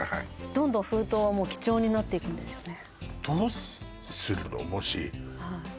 どんどん封筒はもう貴重になっていくんですよね